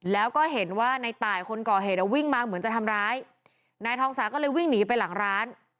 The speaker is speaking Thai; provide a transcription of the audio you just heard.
แล้วก็เห็นว่าในตายคนก่อเหตุอ่ะวิ่งมาเหมือนจะทำร้ายนายทองสาก็เลยวิ่งหนีไปหลังร้าน